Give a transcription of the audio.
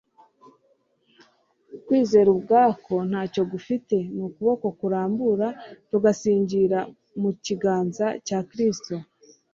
Kwizera ubwako ntacyo gufite. Ni ukuboko turambura tugasingira mu kiganza cya Kristo,